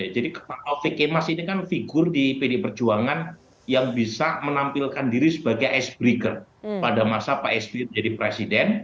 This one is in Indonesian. jadi alfi kimas ini kan figur di pdi perjuangan yang bisa menampilkan diri sebagai icebreaker pada masa pak esprit menjadi presiden